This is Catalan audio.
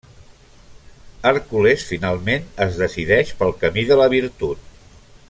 Hèrcules finalment es decideix pel camí de la virtut.